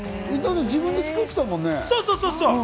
自分で作ってたもんね。